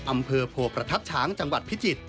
อำเภอโพประทับช้างจังหวัดพิจิตร